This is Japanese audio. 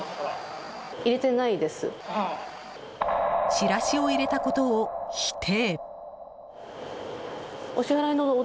チラシを入れたことを否定。